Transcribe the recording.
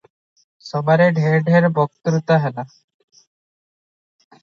ସଭାରେ ଢେର ଢେର ବକ୍ତ୍ରୁତା ହୁଏ ।